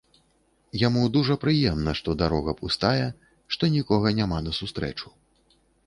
Яму дужа прыемна, што дарога пустая, што нікога няма насустрэчу.